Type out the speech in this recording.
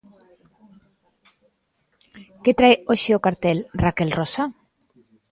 Que trae hoxe o cartel, Raquel Rosa?